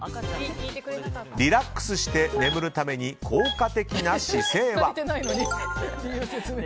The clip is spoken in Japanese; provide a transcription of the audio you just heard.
リラックスして眠るために効果的な姿勢は。